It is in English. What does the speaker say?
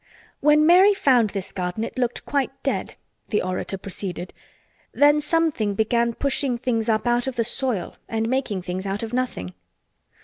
"When Mary found this garden it looked quite dead," the orator proceeded. "Then something began pushing things up out of the soil and making things out of nothing.